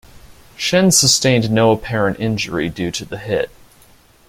Schenn sustained no apparent injury due to the hit.